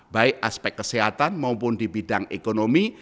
baik aspek kesehatan maupun di bidang ekonomi